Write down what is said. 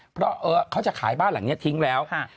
เพราะเออเขาจะขายบ้านหลังเนี่ยทิ้งแล้วค่ะ